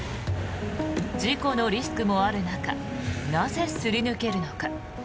事故のリスクもある中なぜすり抜けるのか。